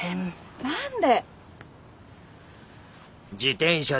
何で！？